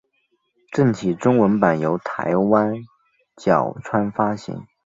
正体中文版由台湾角川发行。